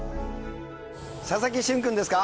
佐々木駿君ですか？